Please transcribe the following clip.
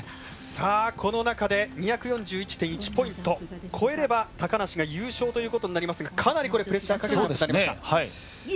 さあ、この中で２４１．１ポイント、超えれば高梨が優勝ということになりますが、かなりプレッシャーかけてくることになりました。